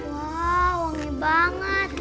wah wangi banget